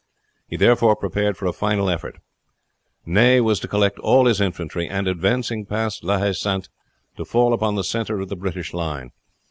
He therefore prepared for a final effort. Ney was to collect all his infantry, and, advancing past La Haye Sainte, to fall upon the center of the British line.